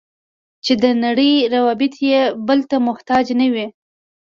چې د نړۍ روابط یې بل ته محتاج نه وي.